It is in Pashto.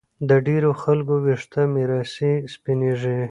د ډېرو خلکو ویښته میراثي سپینېږي